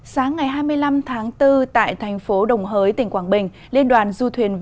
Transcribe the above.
sáng ngày hai mươi năm tháng bốn tại thành phố đồng hới tỉnh quảng bình